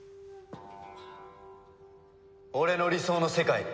俺の理想の世界に。